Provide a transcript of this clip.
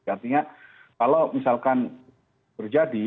artinya kalau misalkan terjadi